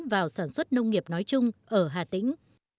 vào sản xuất nông nghiệp nói chung ở hà tĩnh